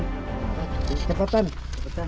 oh ini sangat keras